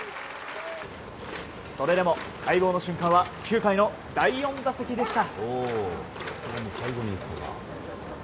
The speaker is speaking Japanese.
それでも待望の瞬間は９回の第４打席でした。